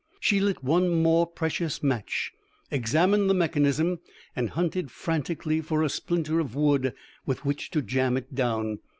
She lit one more precious match, examined the mechanism, and hunted frantically for a splinter of wood with which to jam it down.